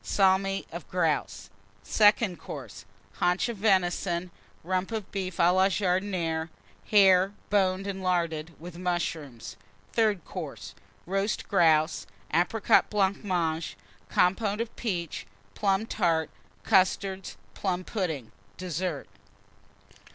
Salmi of Grouse. SECOND COURSE. Haunch of Venison. Rump of Beef à la Jardinière. Hare, boned and larded, with Mushrooms. THIRD COURSE. Roast Grouse. Apricot Blancmange. Compôte of peaches. Plum Tart. Custards. Plum pudding. DESSERT.